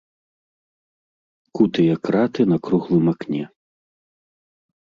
Кутыя краты на круглым акне.